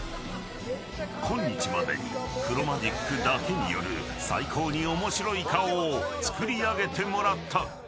今日までに黒マジックだけによる最高に面白い顔を作り上げてもらった。